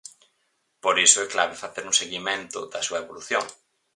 Por iso é clave facer un seguimento da súa evolución.